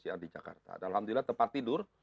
alhamdulillah tepat tidur